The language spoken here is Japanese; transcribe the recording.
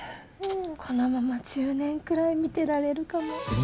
このまま１０年くらい見てられるかも。